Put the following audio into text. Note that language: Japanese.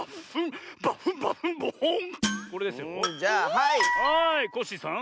はいコッシーさん。